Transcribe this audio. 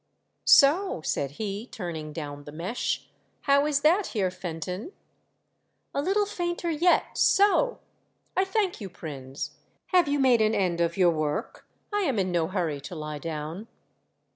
" So," said he, turning down the mesh, "how is that, Heer Fenton,'^" " A little fainter yet — so ! I thank you, Prins. Have you made an end of your work? I am in no hurry to lie down."